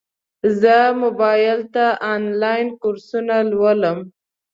زه موبایل ته انلاین کورسونه لولم.